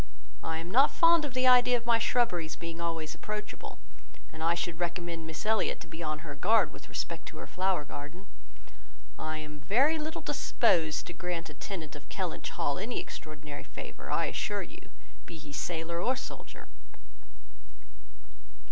I am not fond of the idea of my shrubberies being always approachable; and I should recommend Miss Elliot to be on her guard with respect to her flower garden. I am very little disposed to grant a tenant of Kellynch Hall any extraordinary favour, I assure you, be he sailor or soldier."